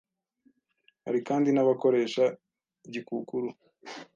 Hari kandi n’abakoresha gikukuru